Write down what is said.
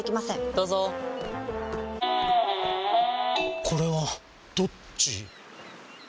どうぞこれはどっち？